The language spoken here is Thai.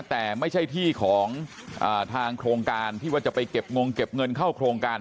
แต่ไม่ใช่ที่ของทางโครงการที่ว่าจะไปเก็บงงเก็บเงินเข้าโครงการ